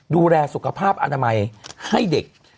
ดูแลสุขภาพอนามัยให้เด็ก